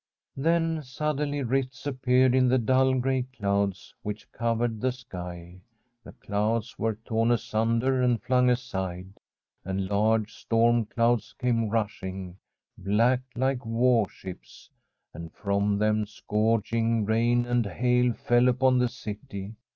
Then suddenly rifts appeared in the dull gray clouds which covered the sky. The clouds were torn asunder and flung aside, and large storm clouds came rushing, black like warships, and From a SWEDISH HOMESTEAD from them scourging rain and hail fell upon the city.